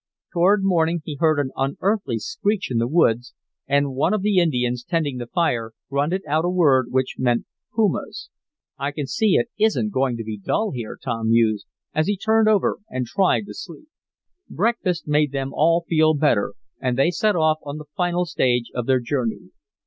Toward morning he heard an unearthly screech in the woods, and one of the Indians, tending the fire, grunted out a word which meant pumas. "I can see it isn't going to be dull here," Tom mused, as he turned over and tried to sleep. Breakfast made them all feel better, and they set off on the final stage of their journey.